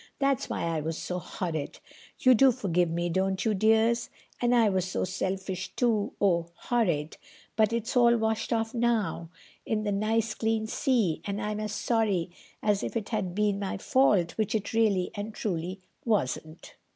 That's why I was so horrid. You do forgive me, don't you, dears? And I was so selfish, too—oh, horrid. But it's all washed off now, in the nice clean sea, and I'm as sorry as if it had been my fault, which it really and truly wasn't."